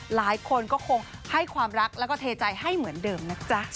หลายคนก็คงให้ความรักแล้วก็เทใจให้เหมือนเดิมนะจ๊ะ